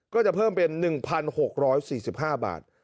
ก็จะเพิ่มเป็น๑๖๔๕บาท